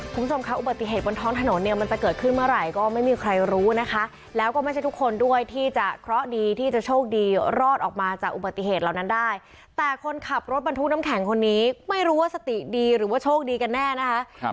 คุณผู้ชมค่ะอุบัติเหตุบนท้องถนนเนี่ยมันจะเกิดขึ้นเมื่อไหร่ก็ไม่มีใครรู้นะคะแล้วก็ไม่ใช่ทุกคนด้วยที่จะเคราะห์ดีที่จะโชคดีรอดออกมาจากอุบัติเหตุเหล่านั้นได้แต่คนขับรถบรรทุกน้ำแข็งคนนี้ไม่รู้ว่าสติดีหรือว่าโชคดีกันแน่นะคะ